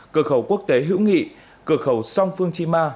cửa khẩu quốc tế hữu nghị cửa khẩu song phương chi ma